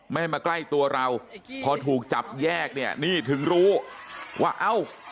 ไม่ให้มาใกล้ตัวเราพอถูกจับแยกเนี่ยนี่ถึงรู้ว่าเอ้า